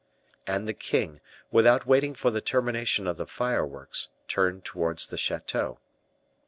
And the king, without waiting for the termination of the fireworks, turned towards the chateau.